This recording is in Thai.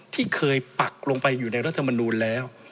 ที่เคยปักลงไปอยู่ในรัฐมนูลแล้ว